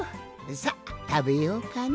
さったべようかの。